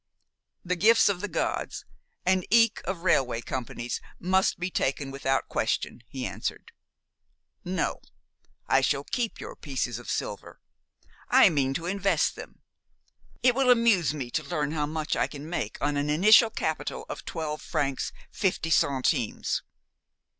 "The gifts of the gods, and eke of railway companies, must be taken without question," he answered. "No, I shall keep your pieces of silver. I mean to invest them. It will amuse me to learn how much I can make on an initial capital of twelve francs, fifty centimes.